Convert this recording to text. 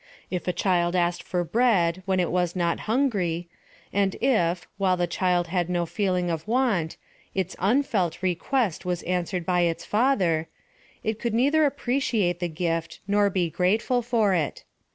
If a child asked for bread when it was not hungry, and if, while the child had no feeling of want; its ^/7^felt request was answered by its father, it could neither appreciate the gift, nor be grateful for it.